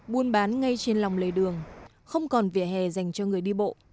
buôn bán ngay trên lòng lề đường không còn vỉa hè dành cho người đi bộ